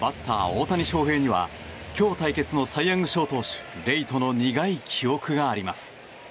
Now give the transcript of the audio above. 大谷翔平には今日対決のサイ・ヤング賞投手レイとの苦い記憶があります。